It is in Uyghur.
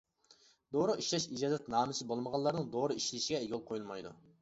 «دورا ئىشلەش ئىجازەتنامىسى» بولمىغانلارنىڭ دورا ئىشلىشىگە يول قويۇلمايدۇ.